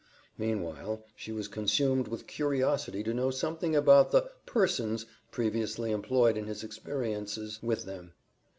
Meanwhile she was consumed with curiosity to know something about the "persons" previously employed and his experiences with them.